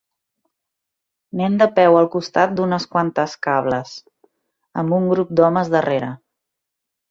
Nen de peu al costat d'unes quantes cables, amb un grup d'homes darrere.